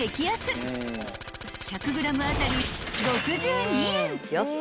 ［１００ｇ当たり６２円］